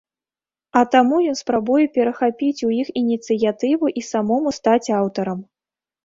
А таму ён спрабуе перахапіць у іх ініцыятыву і самому стаць аўтарам.